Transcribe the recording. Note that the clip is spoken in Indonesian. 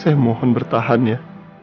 saya mohon bertahan ya